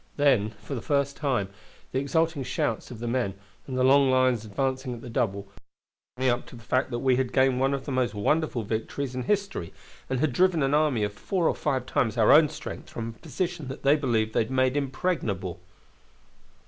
Then, for the first time, the exulting shouts of the men, and the long lines advancing at the double, woke me up to the fact that we had gained one of the most wonderful victories in history, and had driven an army of four or five times our own strength from a position that they believed they had made impregnable."